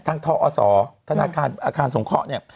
ทอศธนาคารอาคารสงเคราะห์เนี่ย